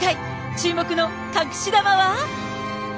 注目の隠し玉は？